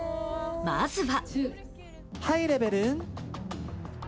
まずは。